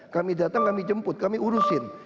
kami datang kami jemput kami urusin